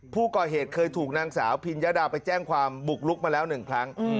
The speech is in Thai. ผู้ก่อเหตุเคยถูกนางสาวพิญญาดาไปแจ้งความบุกลุกมาแล้ว๑ครั้ง